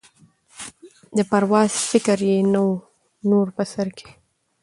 د پرواز فکر یې نه وو نور په سر کي